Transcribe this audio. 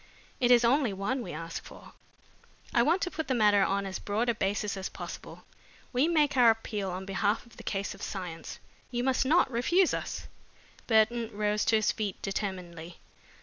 It is only one we ask for. I want to put the matter on as broad a basis as possible. We make our appeal on behalf of the cause of science. You must not refuse us." Burton rose to his feet determinedly.